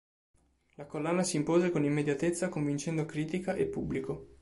La collana si impose con immediatezza convincendo critica e pubblico.